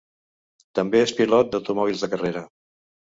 També és pilot d'automòbils de carrera.